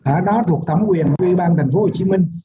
ở đó thuộc thấm quyền quy ban tp hcm